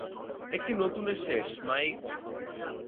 একটি নতুনের শেষ, মাইক।